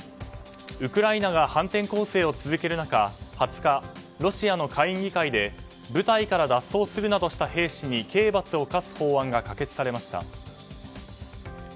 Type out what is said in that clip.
ウクライナが反転攻勢を続ける中２０日、ロシアの下院議会で部隊から脱走するなどした兵士に刑罰を科す法案が可決されました。